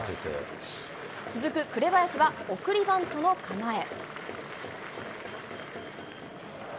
続く紅林は送りバントの構え。